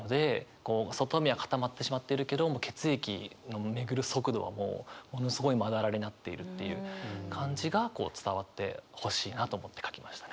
こう外見は固まってしまっているけど血液の巡る速度はもうものすごいまだらになっているっていう感じがこう伝わってほしいなと思って書きましたね。